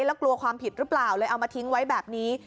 แล้วกลัวความผิดหรือเปล่าเลยเอามาทิ้งไว้แบบนี้